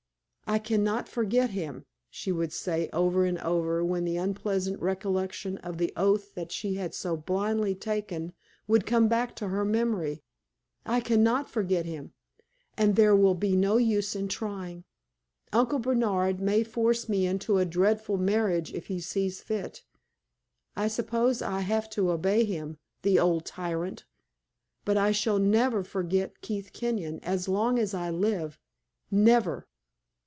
"I can not forget him," she would say over and over, when the unpleasant recollection of the oath that she had so blindly taken would come back to her memory "I can not forget him, and there will be no use in trying. Uncle Bernard may force me into a dreadful marriage if he sees fit I suppose I shall have to obey him, the old tyrant! but I shall never forget Keith Kenyon as long as I live never!"